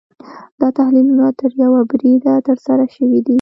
دا تحلیلونه تر یوه بریده ترسره شوي دي.